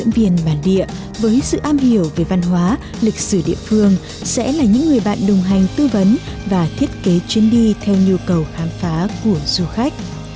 viên bản địa với sự am hiểu về văn hóa lịch sử địa phương sẽ là những người bạn đồng hành tư vấn và thiết kế chuyến đi theo nhu cầu khám phá của du khách